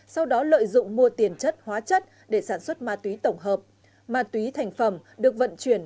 sau đó lợi dụng mua tiền chất hóa chất để sản xuất ma túy tổng hợp ma túy thành phẩm được vận chuyển